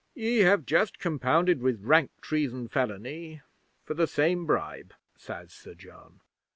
'"Ye have just compounded with rank treason felony for the same bribe," says Sir John.